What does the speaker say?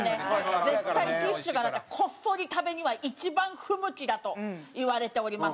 絶対ティッシュがなきゃこっそり食べには一番不向きだといわれております。